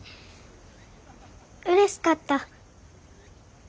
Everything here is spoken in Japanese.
うれしかった。